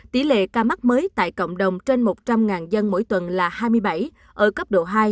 tỷ lệ ca mắc mới tại cộng đồng trên một trăm linh dân mỗi tuần là hai mươi bảy ở cấp độ hai